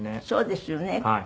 そうですよね。